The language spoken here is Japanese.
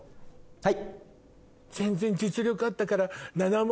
はい。